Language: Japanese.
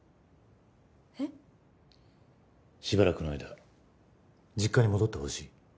えっ？しばらくの間実家に戻ってほしい。